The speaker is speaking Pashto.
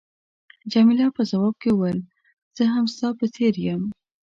جميله په ځواب کې وویل، زه هم ستا په څېر یم.